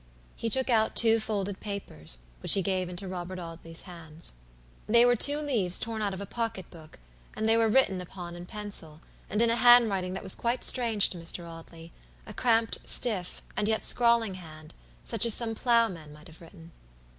He took out two folded papers, which he gave into Robert Audley's hands. They were two leaves torn out of a pocket book, and they were written upon in pencil, and in a handwriting that was quite strange to Mr. Audleya cramped, stiff, and yet scrawling hand, such as some plowman might have written.